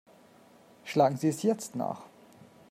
Schlagen Sie es jetzt nach!